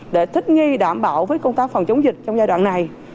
để thích nghi đảm bảo với công tác phòng chống dịch trong giai đoạn này